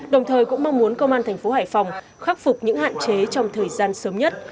đồng thời cũng mong muốn công an thành phố hải phòng khắc phục những hạn chế trong thời gian sớm nhất